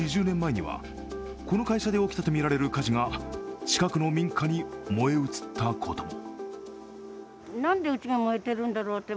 およそ２０年前には、この会社で起きたとみられる火事が近くの民家に燃え移ったことも。